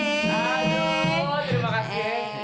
terima kasih he